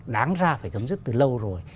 đáng ra phải chấm dứt từ lâu rồi